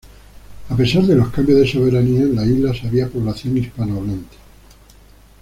A pesar de los cambios de soberanía, en las islas había población hispanohablante.